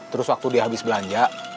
terus waktu dia habis belanja